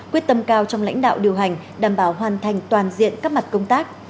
quyết tâm cao trong lãnh đạo điều hành đảm bảo hoàn thành toàn diện các mặt công tác